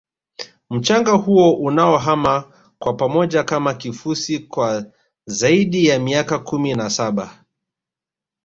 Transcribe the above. mchanga huo unaohama kwa pamoja Kama kifusi kwa zaidi ya miaka kumi na saba